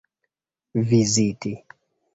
viziti